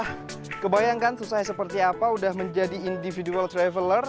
nah kebayangkan susahnya seperti apa udah menjadi individual traveler